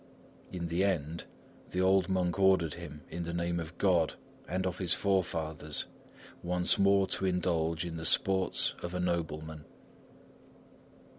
In the end, the old monk ordered him in the name of God, and of his forefathers, once more to indulge in the sports of a nobleman.